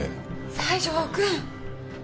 西条くん！